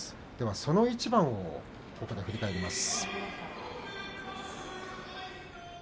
その一番を振り返ります。